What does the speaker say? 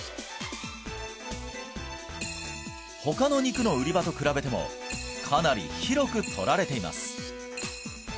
他の肉の売り場と比べてもかなり広く取られています